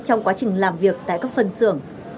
trong quá trình làm việc tại các phân xưởng